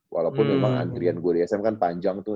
walaupun memang antrian gue di sm kan panjang tuh